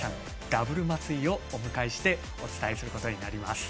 ダブル松井をお迎えしてお伝えすることになります。